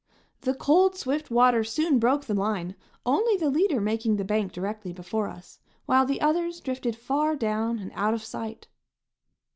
The cold, swift water soon broke the line, only the leader making the bank directly before us, while the others drifted far down and out of sight.